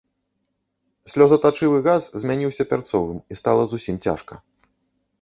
Слёзатачывы газ змяніўся пярцовым, і стала зусім цяжка.